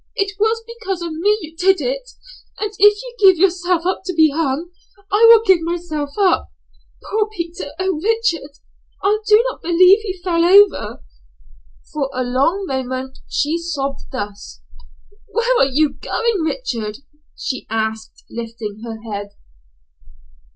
It was because of me you did it, and if you give yourself up to be hung, I will give myself up. Poor Peter Oh, Richard I don't believe he fell over." For a long moment she sobbed thus. "Where are you going, Richard?" she asked, lifting her head.